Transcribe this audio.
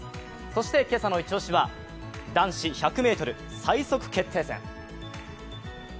そして今朝のイチ押しは男子１００ｍ最速決定戦。